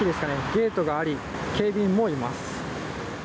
ゲートがあり警備員もいます。